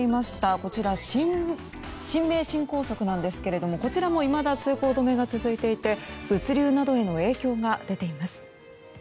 こちら新名神高速ですがこちらもいまだ通行止めが続いていて物流などへの影響が出ています。